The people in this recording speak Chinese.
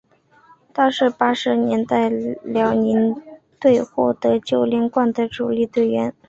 他是八十年代辽宁队获得九连冠的主力队员。